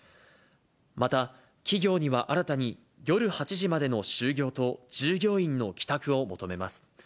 また、企業には新たに、夜８時までの終業と、従業員の帰宅を求めます。